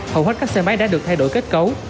hầu hết các xe máy đã được thay đổi kết cấu